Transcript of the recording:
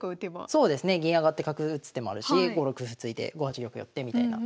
そうですね銀上がって角打つ手もあるし５六歩突いて５八玉寄ってみたいな。